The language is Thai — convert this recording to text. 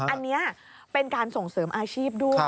อันนี้เป็นการส่งเสริมอาชีพด้วย